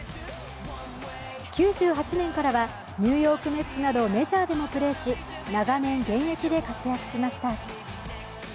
９８年からはニューヨーク・メッツなどメジャーでもプレーし長年、現役で活躍しました。